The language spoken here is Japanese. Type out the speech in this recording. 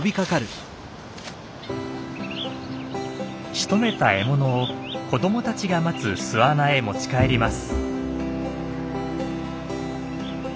しとめた獲物を子どもたちが待つ巣穴へ持ち帰ります。